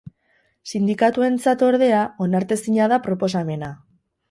Sindikatuentzat, ordea, onartezina da proposamena.